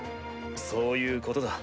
そういうことだ。